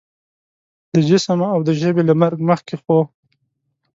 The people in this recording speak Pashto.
د جسم او د ژبې له مرګ مخکې خو